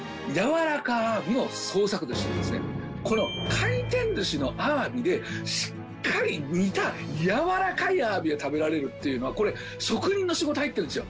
この回転寿司のアワビでしっかり煮た軟らかいアワビが食べられるっていうのはこれ職人の仕事入ってるんですよ。